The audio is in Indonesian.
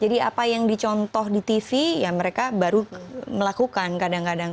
jadi apa yang dicontoh di tv ya mereka baru melakukan kadang kadang